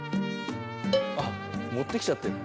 あっ持ってきちゃってる。